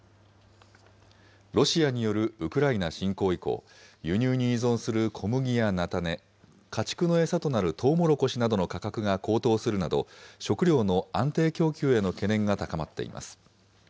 ロシアによるウクライナ侵攻以降、輸入に依存する小麦や菜種、家畜の餌となるとうもろこしなどの価格が高騰するなど、食料の安定供給への懸念が高まっています。